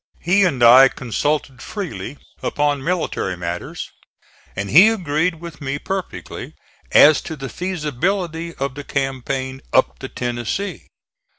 He and I consulted freely upon military matters and he agreed with me perfectly as to the feasibility of the campaign up the Tennessee.